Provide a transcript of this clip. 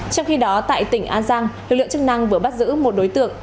trong khi đó tại tỉnh an giang lực lượng chức năng vừa bắt giữ một đối tượng